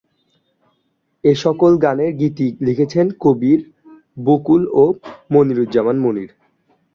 এসকল গানের গীতি লিখেছেন কবীর বকুল ও মনিরুজ্জামান মনির।